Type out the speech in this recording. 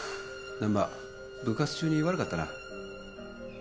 難破部活中に悪かったな。